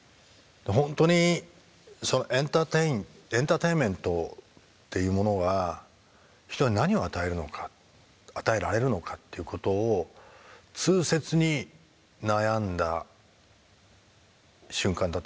ほんとにエンターテインエンターテインメントっていうものが人に何を与えるのか与えられるのかっていうことを痛切に悩んだ瞬間だったと思いますね。